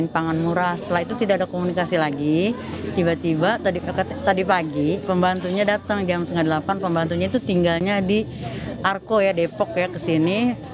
pembantunya datang jam delapan belas tiga puluh pembantunya itu tinggalnya di arko ya depok ya ke sini